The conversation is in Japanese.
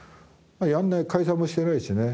やらない解散もしてないしね